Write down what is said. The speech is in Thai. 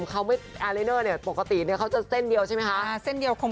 เขาไม่อาเลเนอร์เนี่ยปกติเนี่ยเขาจะเส้นเดียวใช่ไหมคะเส้นเดียวคง